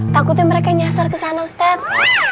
takutnya mereka nyasar ke sana ustadz